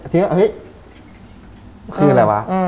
เฮ้ยคืออะไรวะ